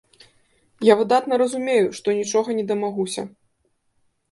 Я выдатна разумею, што нічога не дамагуся.